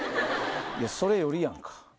それよりやんか。